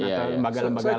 atau lembaga lembaga lain